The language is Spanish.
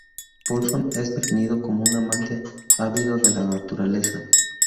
Paulson es definido como un amante ávido de la naturaleza.